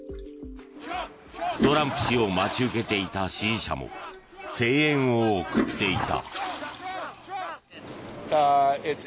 トランプ氏を待ち受けていた支持者も声援を送っていた。